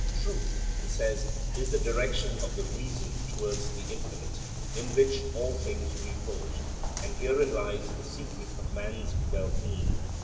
Truth, he says, is the direction of the reason towards the infinite, in which all things repose; and herein lies the secret of man's well being.